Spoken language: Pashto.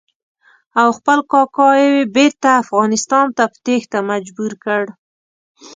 او خپل کاکا یې بېرته افغانستان ته په تېښته مجبور کړ.